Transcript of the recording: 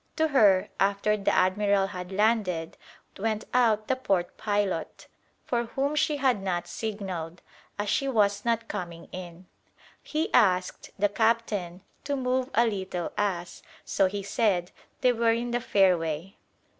To her, after the admiral had landed, went out the port pilot, for whom she had not signalled, as she was not coming in. He asked the captain to move a little as, so he said, they were in the fairway.